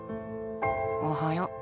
おはよう。